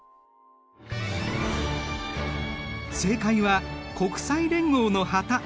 正解は国際連合の旗。